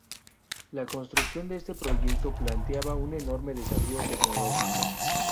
La construcción de este proyecto planteaba un enorme desafío tecnológico.